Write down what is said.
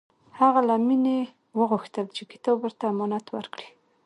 هغه له مینې وغوښتل چې کتاب ورته امانت ورکړي